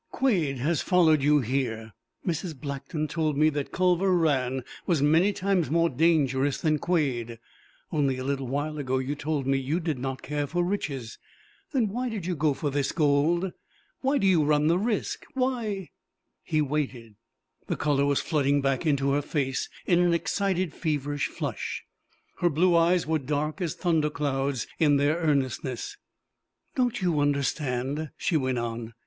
Quade has followed you here. Mrs. Blackton told me that Culver Rann was many times more dangerous than Quade. Only a little while ago you told me you did not care for riches. Then why do you go for this gold? Why do you run the risk? Why " He waited. The colour was flooding back into her face in an excited, feverish flush. Her blue eyes were dark as thunder clouds in their earnestness. "Don't you understand?" she went on.